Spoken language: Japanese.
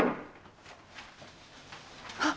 あっ。